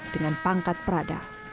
dengan pangkat prada